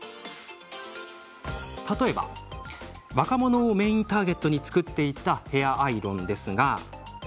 例えば若者をメインターゲットに作っていた、ヘアアイロン。